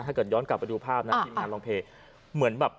ถ้าเกิดย้อนกลับไปดูภาพนะทีมงานลองเพลย์เหมือนแบบ